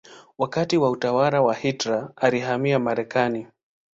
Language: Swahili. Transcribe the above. Wakati wa utawala wa Hitler alihamia Marekani.